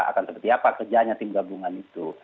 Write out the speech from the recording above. akan seperti apa kerjanya tim gabungan itu